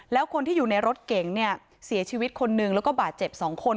แล้วคนที่อยู่ในรถเก๋งเนี่ยเสียชีวิตคนหนึ่งแล้วก็บาดเจ็บ๒คน